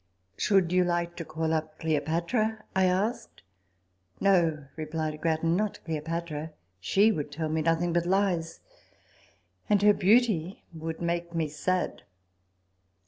" Should you like to call up Cleo patra ?" I asked. " No," replied Grattan, " not Cleopatra : she would tell me nothing but lies ; and her beauty would make me sad."